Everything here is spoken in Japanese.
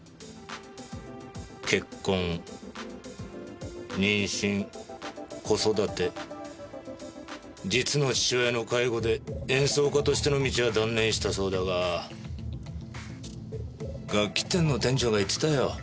結婚妊娠子育て実の父親の介護で演奏家としての道は断念したそうだが楽器店の店長が言ってたよ。